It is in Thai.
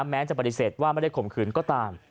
แม้จะปฏิเสธว่าไม่ได้ข่มขืนก็ตาม